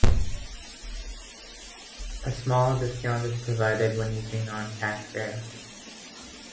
A small discount is provided when using non-cash fare.